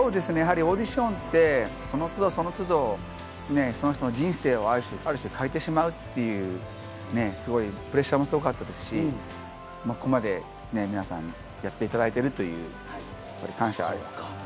オーディションってその都度、その都度、その人の人生をある種、変えてしまうという、すごいプレッシャーもすごかったですし、ここまで皆さんにやっていただいているというところにも感謝です。